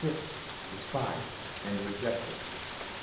DESPISED AND REJECTED."